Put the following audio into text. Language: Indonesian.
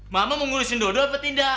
mama mau ngurusin dodo apa tidak